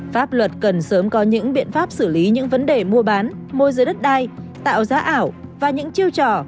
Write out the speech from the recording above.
pháp luật cần sớm có những biện pháp xử lý những vấn đề mua bán môi giới đất đai tạo giá ảo và những chiêu trò